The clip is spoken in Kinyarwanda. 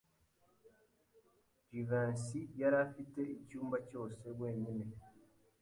Jivency yari afite icyumba cyose wenyine.